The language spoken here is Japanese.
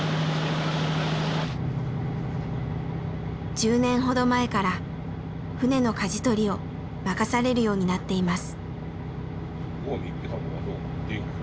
１０年ほど前から船のかじ取りを任されるようになっています。